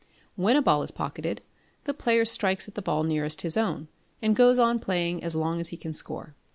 When a ball is pocketed, the striker plays at the ball nearest his own, and goes on playing as long as he can score.